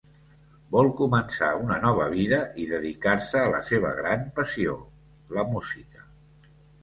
Vol començar una nova vida i dedicar-se a la seva gran passió: la música.